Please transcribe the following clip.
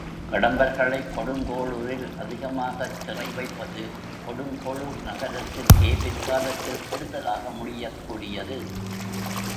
கடம்பர்களைக் கொடுங்கோளுரில் அதிகமாகச் சிறை வைப்பது கொடுங்கோளுர் நகரத்திற்கே பிற்காலத்தில் கெடுதலாக முடியக் கூடியது.